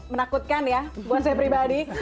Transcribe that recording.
menakutkan ya buat saya pribadi